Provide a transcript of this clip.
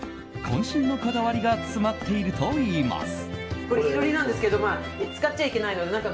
渾身のこだわりが詰まっているといいます。